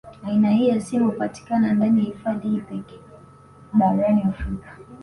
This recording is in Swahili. Aina hii ya simba hupatikana ndani ya hifadhi hii pekee barani Afrika